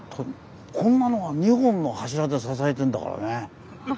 こんなのを２本の柱で支えてんだからね。